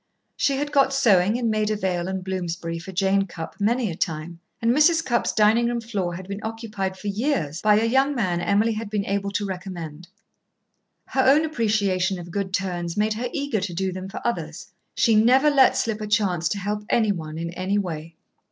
She had got sewing in Maida Vale and Bloomsbury for Jane Cupp many a time, and Mrs. Cupp's dining room floor had been occupied for years by a young man Emily had been able to recommend. Her own appreciation of good turns made her eager to do them for others. She never let slip a chance to help any one in any way.